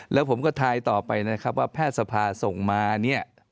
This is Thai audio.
แล้วผมก็ทายต่อไปนะครับว่าแพทย์สภาส่งมาเนี่ย